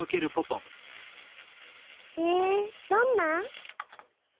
へえどんな？